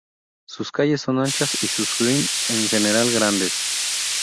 Sus calles son anchas y sus "green", en general, grandes.